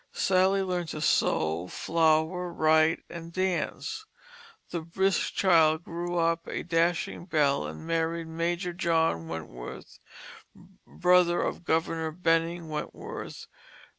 Sally learned "to sew, floure, write, and dance." The brisk child grew up a dashing belle, and married Major John Wentworth, brother of Governor Benning Wentworth.